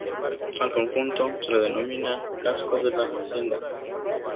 Al conjunto, se le denomina "casco de la hacienda".